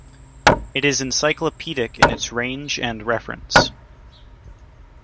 It is encyclopedic in its range and reference.